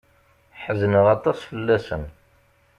Ḥezneɣ aṭas fell-asen.